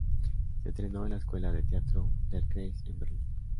Se entrenó en la escuela de teatro "Der Kreis", en Berlín.